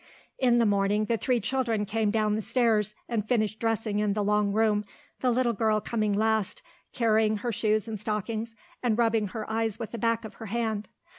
In the morning the three children came down the stairs and finished dressing in the long room, the little girl coming last, carrying her shoes and stockings and rubbing her eyes with the back of her hand.